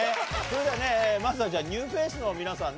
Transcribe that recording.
それではねまずはニューフェースの皆さん